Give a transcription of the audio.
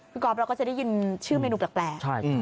ก๊อฟเราก็จะได้ยินชื่อเมนูแปลก